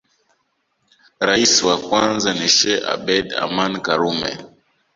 Rais wa kwanza ni Sheikh Abeid Aman Karume